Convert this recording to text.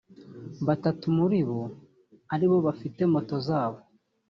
batatu muri bo ari bo bafite moto zabo